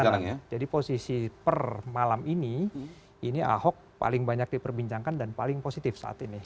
iya jadi posisi per malam ini ini ahok paling banyak diperbincangkan dan paling positif saat ini